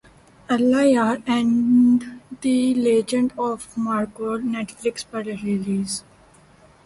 Allah Yaar and the legend of Markhor Netflix پر release